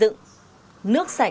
nước sạch người dân không được xây dựng